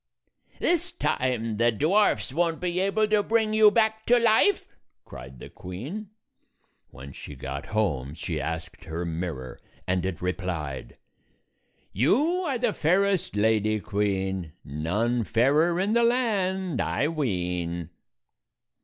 "This time the dwarfs won't be able to bring you back to life!" cried the queen. When she got home she asked her mirror, and it replied, "You are the fairest, Lady Queen; None fairer in the land, I ween."